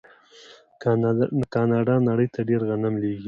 کاناډا نړۍ ته ډیر غنم لیږي.